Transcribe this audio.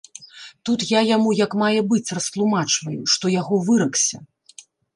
Тут я яму як мае быць растлумачваю, што яго выракся.